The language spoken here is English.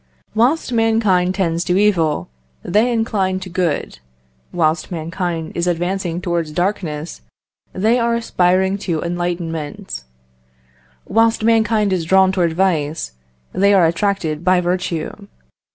Whilst mankind tends to evil, they incline to good; whilst mankind is advancing towards darkness, they are aspiring to enlightenment; whilst mankind is drawn towards vice, they are attracted by virtue.